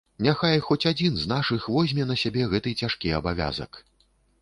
Няхай хоць адзін з нашых возьме на сябе гэты цяжкі абавязак.